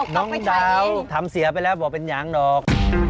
น้องดาวทำเสียไปแล้วบอกเป็นยางดอก